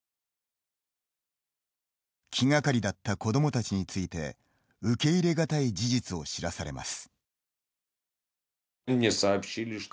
気がかりだった子どもたちについて受け入れがたい事実を知らされます。